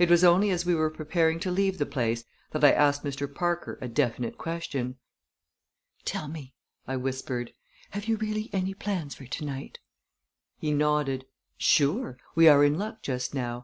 It was only as we were preparing to leave the place that I asked Mr. Parker a definite question. "Tell me," I whispered, "have you really any plans for to night?" He nodded. "Sure! We are in luck just now.